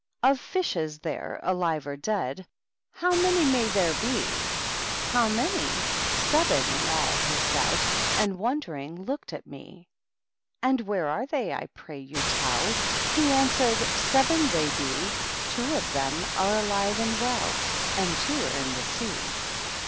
* Of fishes there, alive or deady How many may there be f * How many f Seven in all^ he said. And, wondering, looked at me. ^ And where are they, I pray you tell f He answered, 'Seven they he; Two of them are alive and well, And two are in the sea.